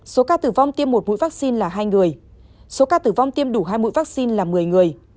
số ca tử vong tiêm một mũi vaccine là hai người số ca tử vong tiêm đủ hai mũi vaccine là một mươi người